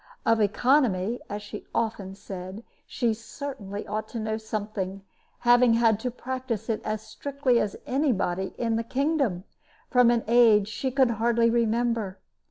Of economy (as she often said) she certainly ought to know something, having had to practice it as strictly as any body in the kingdom, from an age she could hardly remember.